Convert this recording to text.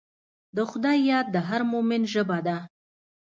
د خدای یاد د هر مؤمن ژبه ده.